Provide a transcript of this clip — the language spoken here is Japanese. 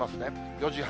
４時半。